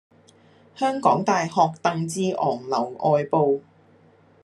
香港大學鄧志昂樓外部